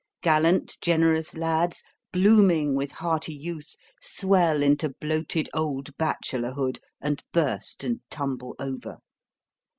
Gallant generous lads, blooming with hearty youth, swell into bloated old bachelorhood, and burst and tumble over.